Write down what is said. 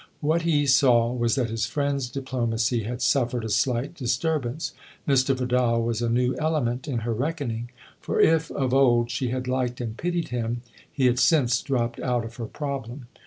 What he saw was that his friend's diplomacy had suffered a slight disturbance. Mr. Vidal was a new element in her reckoning; for if, of old, she had liked and pitied him, he had since dropped out of her problem.